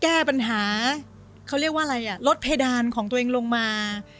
แก้ปัญหาเขาเรียกว่าอะไรอ่ะลดเพดานของตัวเองลงมา